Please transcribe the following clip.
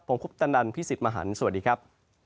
ผมคุปตะนันพี่สิทธิ์มหันฯสวัสดีครับ